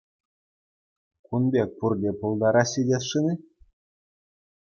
Кун пек пурте пултараҫҫӗ тесшӗн-и?